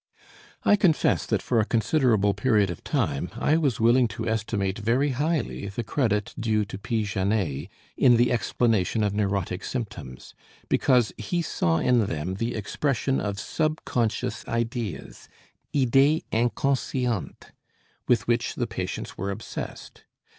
I confess that for a considerable period of time I was willing to estimate very highly the credit due to P. Janet in the explanation of neurotic symptoms, because he saw in them the expression of subconscious ideas (idées inconscientes) with which the patients were obsessed.